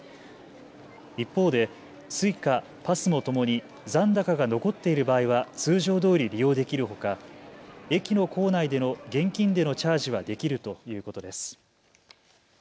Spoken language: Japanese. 一方でＳｕｉｃａ、ＰＡＳＭＯともに残高が残っている場合は通常どおり利用できるほか駅の構内での現金でのチャージはできるということです。